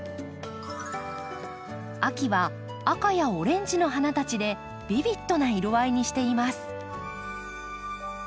秋は赤やオレンジの花たちでビビッドな色合いにしています。